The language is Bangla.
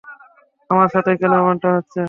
আমার সাথেই কেন এমনটা হচ্ছে।